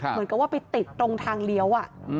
เหมือนกับว่าไปติดตรงทางเลี้ยว